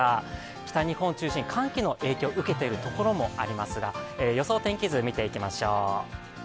北日本を中心に寒気の影響を受けているところもありますが予想天気図、見ていきましょう。